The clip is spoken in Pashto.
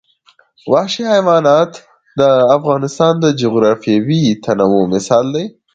وحشي حیوانات د افغانستان د جغرافیوي تنوع مثال دی.